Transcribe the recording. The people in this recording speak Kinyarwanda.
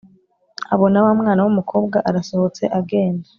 abona wamwana wumukobwa arasohotse agenda